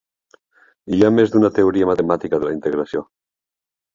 Hi ha més d'una teoria matemàtica de la integració.